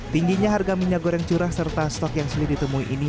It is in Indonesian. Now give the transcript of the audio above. tingginya harga minyak goreng curah serta stok yang sulit ditemui ini